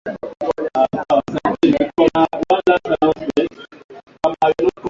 Magonjwa yenye dalili za Kuhangaika